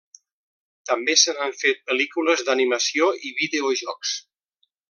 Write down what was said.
També se n'han fet pel·lícules d'animació i videojocs.